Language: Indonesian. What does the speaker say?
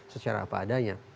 secara apa adanya